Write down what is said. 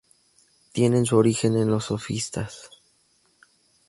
Tiene su origen en los sofistas.